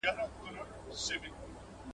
موږ بايد په ليکلو کې دقت وکړو.